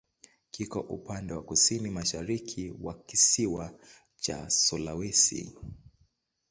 Kiko upande wa kusini-mashariki wa kisiwa cha Sulawesi.